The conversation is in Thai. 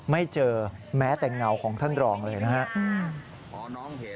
ไม่เจอแม้แต่เงาของท่านรองเลยนะครับ